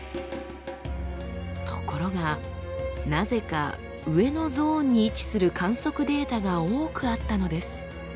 ところがなぜか上のゾーンに位置する観測データが多くあったのです。